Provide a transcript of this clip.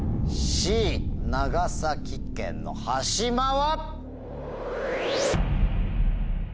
Ｃ長崎県の端島は。